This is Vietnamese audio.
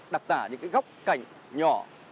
đặc tả những góc cảnh nhỏ